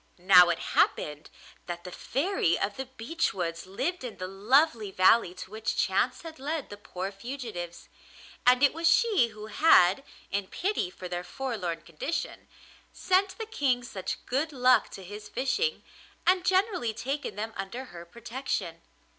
Now it happened that the Fairy of the Beech Woods lived in the lovely valley to which chance had led the poor fugitives, and it was she who had, in pity for their forlorn condition, sent the King such good luck to his fishing, and generally taken them under her protection.